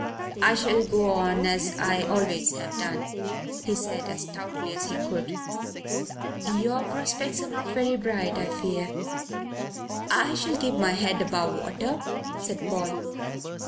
"I shall go on as I always have done," he said as stoutly as he could. "Your prospects are not very bright, I fear." "I shall keep my head above water," said Paul.